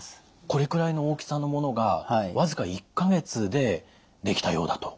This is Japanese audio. これくらいの大きさのものが僅か１か月でできたようだと。